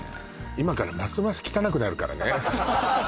今からますます汚くなるからね